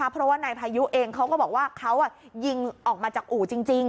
เพราะว่านายพายุเองเขาก็บอกว่าเขายิงออกมาจากอู่จริง